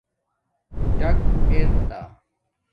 ڈاک ار تا